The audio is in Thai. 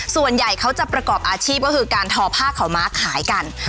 ส่วนใหญ่เขาจะประกอบอาชีพก็คือการทอผ้าขาวม้าขายกัน